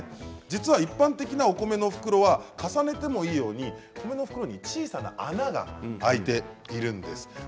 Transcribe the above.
実は一般的なお米の袋は重ねてもいいように小さな穴が開いているんです。